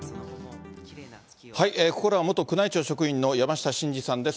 ここからは元宮内庁職員の山下晋司さんです。